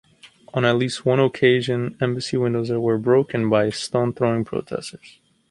On at least one occasion embassy windows were broken by stone-throwing protesters.